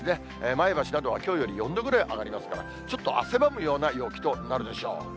前橋などはきょうより４度ぐらい上がりますから、ちょっと汗ばむような陽気となるでしょう。